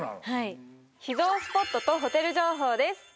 はい秘蔵スポットとホテル情報です